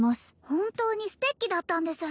本当にステッキだったんです